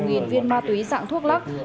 gần một viên ma túy dạng thuốc lắc